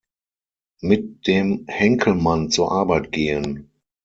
Mit dem Henkelmann zur Arbeit gehen.